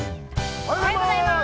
◆おはようございます。